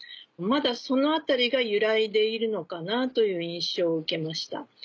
まだその辺りが揺らいでいるのかなという印象を受けました。